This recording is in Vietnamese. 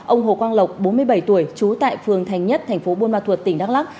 ông hồ quang lộc bốn mươi bảy tuổi trú tại phường thành nhất thành phố buôn ma thuột tỉnh đắk lắc